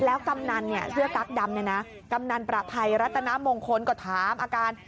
แล้วกำนันเนี่ยเสื้อกั๊กดำเนี่ยนะกำนันประภัยรัตนมงคลก็ถามอาการ